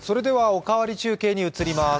「おかわり中継」に移ります。